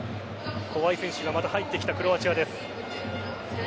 怖い選手がまた入ってきたクロアチアです。